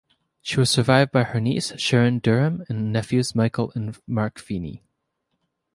She was survived by her niece, Sharon Durham, and nephews, Michael and Mark Feeney.